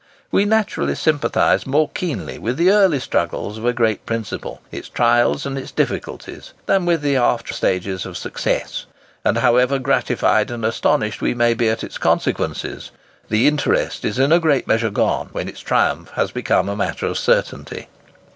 We naturally sympathise more keenly with the early struggles of a great principle, its trials and its difficulties, than with its after stages of success; and, however gratified and astonished we may be at its consequences, the interest is in a great measure gone when its triumph has become a matter of certainty.